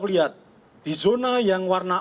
lihat di zona yang warna